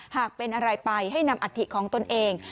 หากเป็นอะไรไปให้นำอัฐิของตนเอง